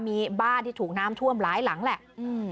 มีบ้านที่ถูกน้ำท่วมหลายหลังแหละอืม